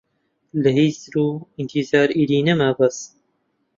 لە هیجر و ئینتیزار ئیدی نەما باس